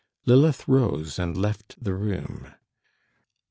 Lilith rose and left the room.